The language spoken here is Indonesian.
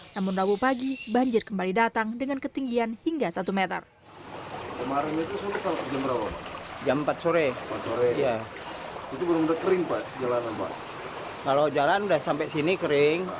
namun rabu pagi banjir kembali datang dengan ketinggian hingga satu meter